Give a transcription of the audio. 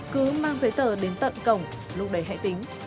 cứ mang giấy tờ đến tận cổng lúc đấy hãy tính